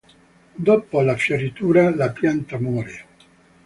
Dopo la fioritura la pianta muore.